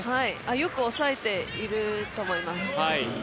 よく抑えていると思います。